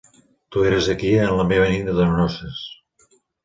Tu eres aquí en la meva nit de noces.